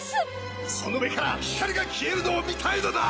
その目から光が消えるのを見たいのだ！